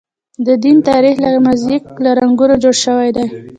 د دین تاریخ لکه موزاییک له رنګونو جوړ شوی دی.